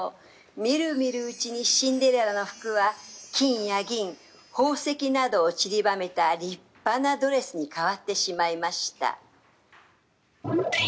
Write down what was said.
みるみるうちにシンデレラの服は金や銀、宝石などを散りばめた立派なドレスに変わってしまいました。